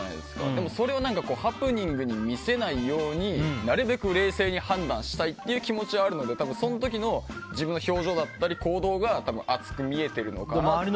でも、それをハプニングに見せないようになるべく冷静に判断したいという気持ちがあるのでその時の自分の表情だったり行動が熱く見えてるのかなって。